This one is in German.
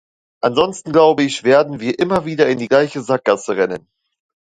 Ansonsten, glaube ich, werden wir immer wieder in die gleiche Sackgasse rennen.